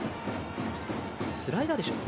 スライダーでしょうか。